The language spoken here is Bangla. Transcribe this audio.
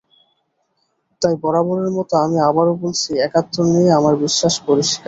তাই বরাবরের মতো আমি আবারও বলছি, একাত্তর নিয়ে আমার বিশ্বাস পরিষ্কার।